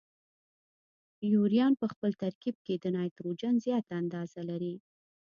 یوریا په خپل ترکیب کې د نایتروجن زیاته اندازه لري.